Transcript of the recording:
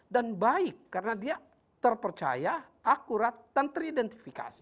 dan baik karena dia terpercaya akurat dan teridentifikasi